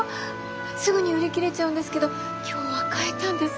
すぐに売り切れちゃうんですけど今日は買えたんです。